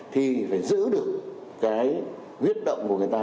thì phải giữ được cái huyết động của người ta